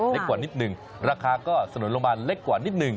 เล็กกว่านิดหนึ่งราคาก็สนุนลงมาเล็กกว่านิดหนึ่ง